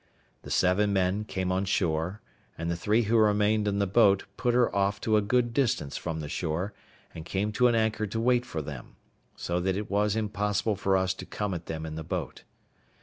The seven men came on shore, and the three who remained in the boat put her off to a good distance from the shore, and came to an anchor to wait for them; so that it was impossible for us to come at them in the boat.